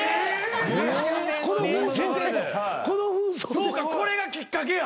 そうかこれがきっかけや。